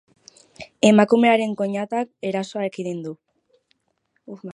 Emakumearen koinatak erasoa ekidin du.